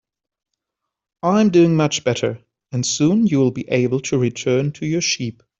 I'm doing much better, and soon you'll be able to return to your sheep.